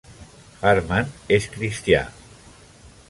Hartman és cristià.